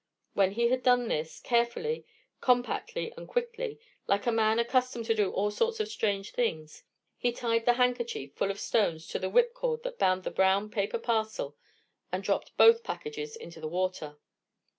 When he had done this, carefully, compactly, and quickly, like a man accustomed to do all sorts of strange things, he tied the handkerchief full of stones to the whipcord that bound the brown paper parcel, and dropped both packages into the water.